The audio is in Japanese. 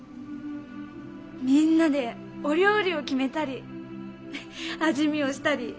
みんなでお料理を決めたり味見をしたり。